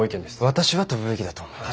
私は飛ぶべきだと思います。